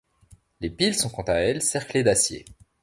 Les piles sont quant à elles cerclées d’acier.